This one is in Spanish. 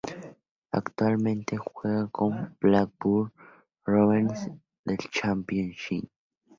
Actualmente juega en el Blackburn Rovers del Championship.